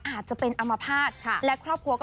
อาจจะเป็นอมภาษณ์และครอบครัวก็